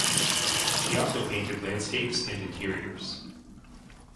She also painted landscapes and interiors.